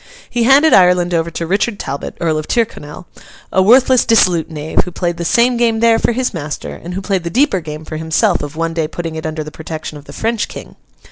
He handed Ireland over to Richard Talbot, Earl of Tyrconnell, a worthless, dissolute knave, who played the same game there for his master, and who played the deeper game for himself of one day putting it under the protection of the French King.